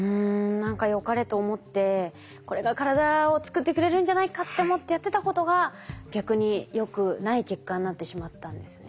何かよかれと思ってこれが体を作ってくれるんじゃないかって思ってやってたことが逆によくない結果になってしまったんですね。